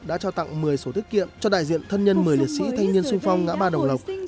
đã cho tặng một mươi số thiết kiệm cho đại diện thân nhân một mươi liệt sĩ thanh niên sung phong ngã ba đồng lộc